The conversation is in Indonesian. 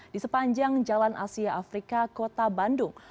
di sepanjang jalan asia afrika kota bandung